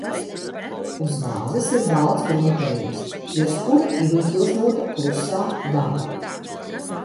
Uz vāzes ir balts gruntējums, virs kura ir uzgleznota klusā daba.